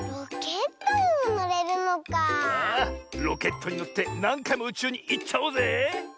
ロケットにのってなんかいもうちゅうにいっちゃおうぜ！